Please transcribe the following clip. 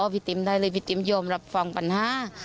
ป้าติ๋มยอมรับฟังปัญหา